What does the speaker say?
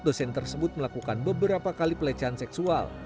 dosen tersebut melakukan beberapa kali pelecehan seksual